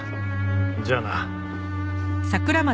じゃあな。